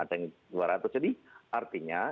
ada yang dua ratus jadi artinya